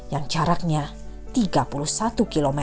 yang jaraknya tiga puluh satu km